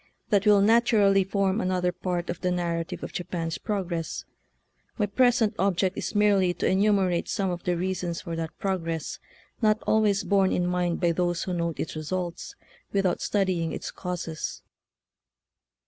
That will naturally form another part of the narrative of Japan's progress. My present object is merely to enumerate some of the reasons for that progress not always borne in mind by those who note its results with out studying its causes.